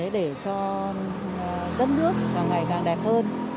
để cho dân nước càng ngày càng đẹp hơn